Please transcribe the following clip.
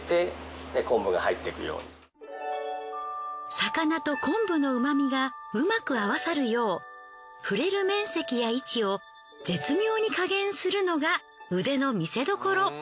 魚と昆布のうま味がうまく合わさるよう触れる面積や位置を絶妙に加減するのが腕の見せどころ。